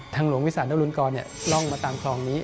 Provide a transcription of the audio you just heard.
ทางหลวงวิสาณรุนกรเนี่ยร่องมาตามคลองนี้